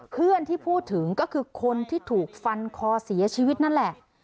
เพื่อนที่พูดถึงก็คือคนที่ถูกฟันคอเสียชีวิตนั่นแหละ